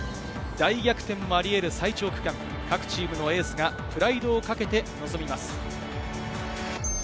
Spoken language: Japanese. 大逆転もあり得る最長区間、各チームのエースがプライドをかけて臨みます。